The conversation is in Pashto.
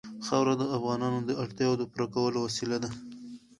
خاوره د افغانانو د اړتیاوو د پوره کولو وسیله ده.